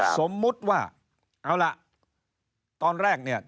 สมมุติว่าเอาล่ะตอนแรกเนี่ย